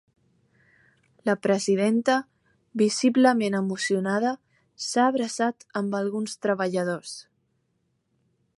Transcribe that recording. La presidenta, visiblement emocionada, s’ha abraçat amb alguns treballadors.